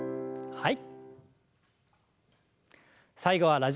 はい。